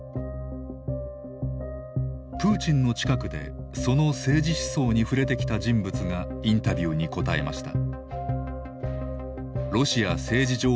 プーチンの近くでその政治思想に触れてきた人物がインタビューにこたえました。